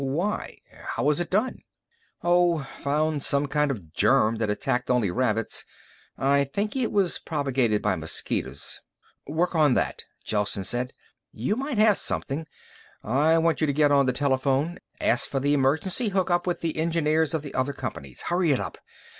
"Why? How was it done?" "Oh, found some kind of germ that attacked only rabbits. I think it was propagated by mosquitos " "Work on that," Gelsen said. "You might have something. I want you to get on the telephone, ask for an emergency hookup with the engineers of the other companies. Hurry it up.